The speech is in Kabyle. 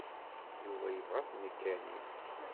Yuba yebɣa ad neggani.